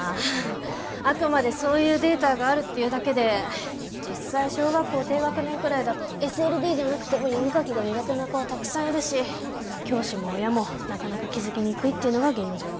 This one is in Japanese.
あくまでそういうデータがあるっていうだけで実際小学校低学年くらいだとＳＬＤじゃなくても読み書きが苦手な子はたくさんいるし教師も親もなかなか気づきにくいっていうのが現状。